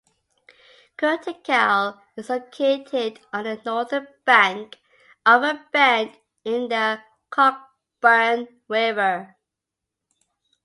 Kootingal is located on the northern bank of a bend in the Cockburn River.